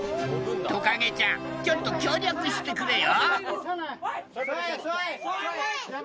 トカゲちゃん、ちょっと協力してくれよ。